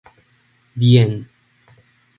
The end.